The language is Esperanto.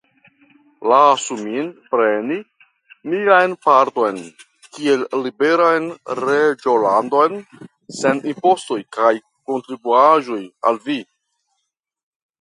Lasu min preni mian parton kiel liberan reĝolandon, sen impostoj kaj kontribuaĵoj al vi.